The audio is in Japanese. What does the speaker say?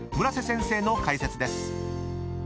［村瀬先生の解説です］